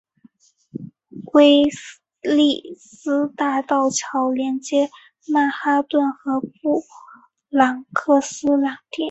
威利斯大道桥连接曼哈顿和布朗克斯两地。